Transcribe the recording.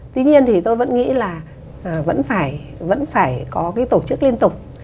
tuy nhiên thì tôi vẫn nghĩ là vẫn phải có cái tổ chức liên tục